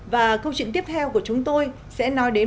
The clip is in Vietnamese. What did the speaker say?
và câu chuyện tiếp theo của chúng tôi sẽ nói đến